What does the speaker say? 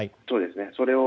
そうです。